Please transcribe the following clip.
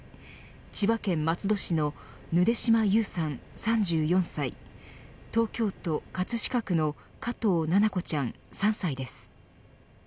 千葉県松戸市のぬで島優さん、３４歳東京都葛飾区の加藤七菜子ちゃん３歳です。